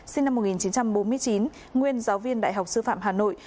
sinh năm một nghìn chín trăm bốn mươi chín nguyên giáo viên đại học sư phạm hà nội